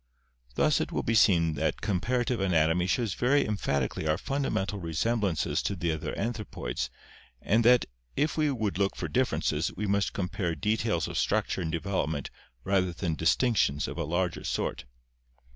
Thus it will be seen that comparative anatomy shows very em phatically our fundamental resemblances to the other anthropoids and that if we would look for differences we must compare details of structure and development rather than distinctions of a larger sort.